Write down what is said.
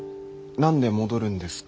何で戻るんですか？